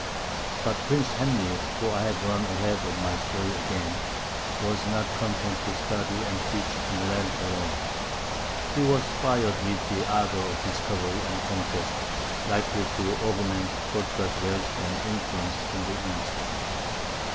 But Prince Henry (for I have run ahead of my story again) was not content to study and teach on land alone. He was fired with the ardor of discovery and conquest likely to augment Portugal's wealth and influence in the East.